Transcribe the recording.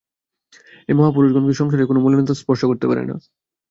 এই মহাপুরুষগণকে সংসারের কোন মলিনতা স্পর্শ করতে পারে না।